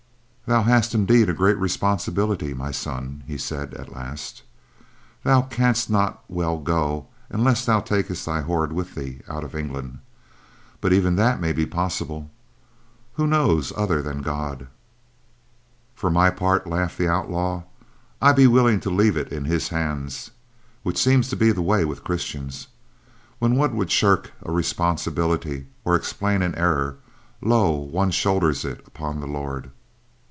"Thou hast indeed a grave responsibility, my son," he said at last. "Thou canst not well go unless thou takest thy horde with thee out of England, but even that may be possible; who knows other than God?" "For my part," laughed the outlaw, "I be willing to leave it in His hands; which seems to be the way with Christians. When one would shirk a responsibility, or explain an error, lo, one shoulders it upon the Lord."